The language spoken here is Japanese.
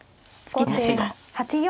突き出しが。